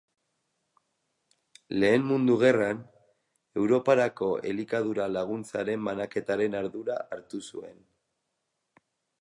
Lehen Mundu Gerran, Europarako elikadura-laguntzaren banaketaren ardura hartu zuen.